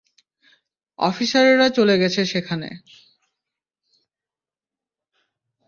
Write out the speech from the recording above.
অফিসারেরা চলে গেছে সেখানে।